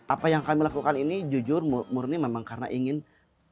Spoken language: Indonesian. apa yang kami lakukan ini jujur murni memang karena ingin